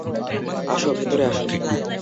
আসো, ভিতরে আসো।